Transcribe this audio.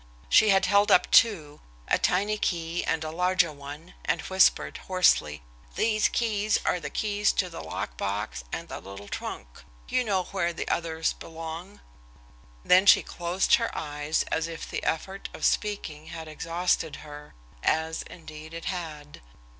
She had held up two, a tiny key and a larger one, and whispered hoarsely: "These keys are the keys to the lock box and the little trunk you know where the others belong." Then she had closed her eyes, as if the effort of speaking had exhausted her, as indeed it had.